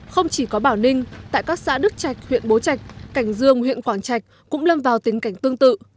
không chỉ có bảo ninh tại các xã đức trạch huyện bố trạch cảnh dương huyện quảng trạch cũng lâm vào tình cảnh tương tự